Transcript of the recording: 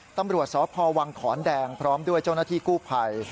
ตำรวจสพวังขอนแดงพร้อมด้วยเจ้าหน้าที่กู้ภัย